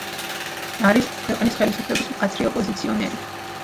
არის ქვეყნის ხელისუფლების მკაცრი ოპოზიციონერი.